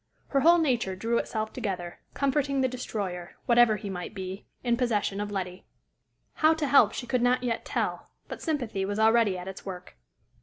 Her whole nature drew itself together, confronting the destroyer, whatever he might be, in possession of Letty. How to help she could not yet tell, but sympathy was already at its work.